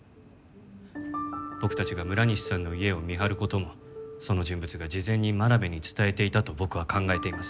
僕たちが村西さんの家を見張る事もその人物が事前に真鍋に伝えていたと僕は考えています。